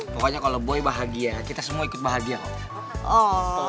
pokoknya kalau boy bahagia kita semua ikut bahagia kok